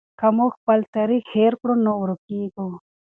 که موږ خپل تاریخ هېر کړو نو ورکېږو.